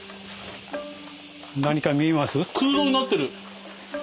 何か見えます？